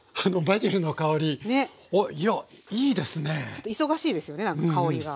ちょっと忙しいですよねなんか香りが。